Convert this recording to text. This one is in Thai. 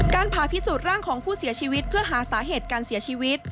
ผ่าพิสูจน์ร่างของผู้เสียชีวิตเพื่อหาสาเหตุการเสียชีวิต